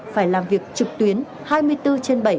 phải làm việc trực tuyến hai mươi bốn trên bảy